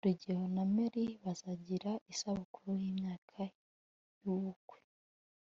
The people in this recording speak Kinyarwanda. rugeyo na mary bazagira isabukuru yimyaka yubukwe